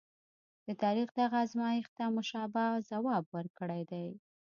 د تاریخ دغه ازمایښت ته مشابه ځواب ورکړی دی.